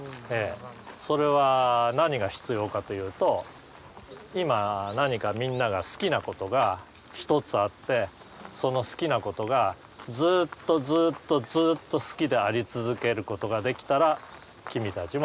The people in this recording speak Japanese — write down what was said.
それは何が必要かというと今何かみんなが好きなことが一つあってその好きなことがずっとずっとずっと好きであり続けることができたら君たちもハカセになれます。